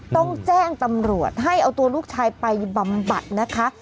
ต้องแจ้งตำรวจให้เอาตัวลูกชายไปบำบัดนะคะ